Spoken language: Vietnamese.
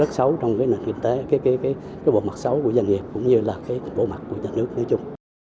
xấu trong cái nền kinh tế cái bộ mặt xấu của doanh nghiệp cũng như là cái bộ mặt của nhà nước nói chung